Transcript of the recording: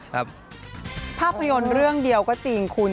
ภาพยนตร์เรื่องเดียวก็จริงคุณ